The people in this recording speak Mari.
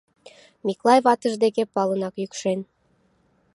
Миклай ватыж деке палынак йӱкшен.